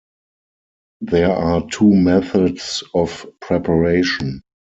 There are two methods of preparation.